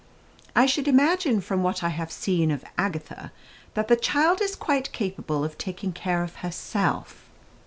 "I should imagine, from what I have seen of Agatha, that the child is quite capable of taking care of herself."